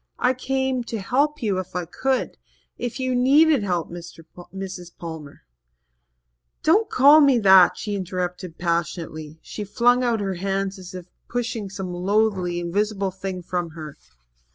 I came to help you if I could if you needed help, Mrs. Palmer " "Don't call me that," she interrupted passionately. She flung out her hands as if pushing some loathly, invisible thing from her.